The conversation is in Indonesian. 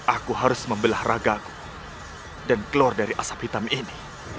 aku harus membelah ragaku dan keluar dari asap hitam ini